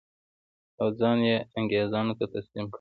او ځان یې انګرېزانو ته تسلیم کړ.